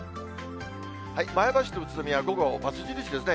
前橋と宇都宮は午後、×印ですね。